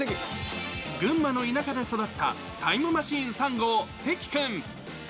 群馬の田舎で育ったタイムマシーン３号・関君。